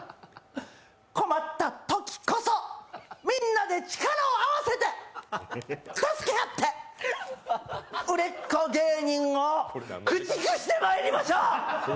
困ったときこそ、みんなで力を合わせて助け合って、売れっ子芸人を駆逐してまいりましょう！